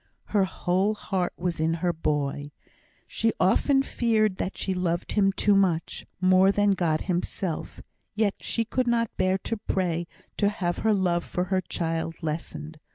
Her whole heart was in her boy. She often feared that she loved him too much more than God Himself yet she could not bear to pray to have her love for her child lessened.